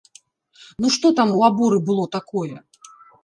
Ну, што там у аборы было такое?